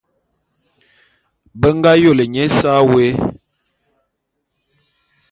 Be ngā yôlé nye ésa wé.